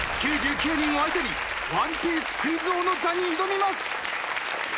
９９人を相手にワンピースクイズ王の座に挑みます。